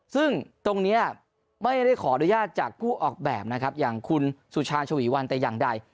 ซึ่งตรงนี้ไม่ได้ขออนุญาตจากผู้ออกแบบนะครับอย่างคุณสุชาชวีวันแต่อย่างใด